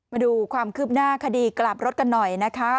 มาดูความคืบหน้าคดีกลับรถกันหน่อยนะคะ